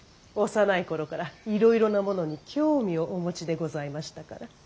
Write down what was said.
幼い頃からいろいろなものに興味をお持ちでございましたから。